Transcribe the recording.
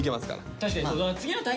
確かに。